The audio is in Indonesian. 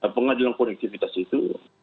pengadilan konektivitas itu